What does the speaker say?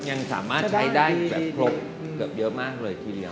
ยังสามารถใช้ได้แบบครบเกือบเยอะมากเลยทีเดียว